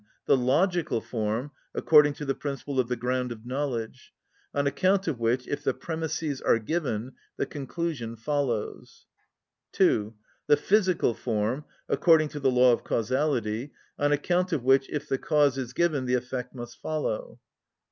The logical form, according to the principle of the ground of knowledge; on account of which, if the premisses are given, the conclusion follows. (2.) The physical form, according to the law of causality; on account of which, if the cause is given, the effect must follow.